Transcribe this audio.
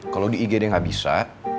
kalo di igd gak bisa